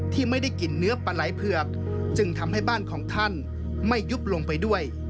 ที่ไม่ได้กินเนื้อปลาไหลเผือกจึงทำให้บ้านของท่านไม่ยุบลงไปด้วย